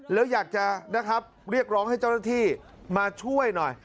แล้วอยากจะนะครับเรียกร้องให้เจ้าหน้าที่มาช่วยหน่อย